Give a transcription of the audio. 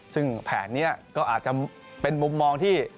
ซึ่งแผนนี้ก็อาจจะเป็นมุมมองที่